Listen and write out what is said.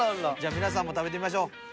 じゃあ皆さんも食べてみましょう。